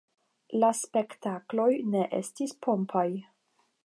La spektakloj ne estis pompaj.